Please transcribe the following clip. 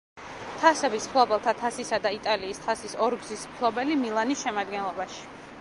თასების მფლობელთა თასისა და იტალიის თასის ორგზის მფლობელი „მილანის“ შემადგენლობაში.